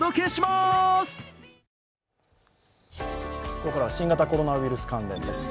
ここからは新型コロナウイルス関連です。